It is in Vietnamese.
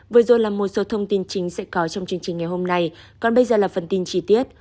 vừa rồi là một số thông tin chính sẽ có trong chương trình ngày hôm nay còn bây giờ là phần tin chi tiết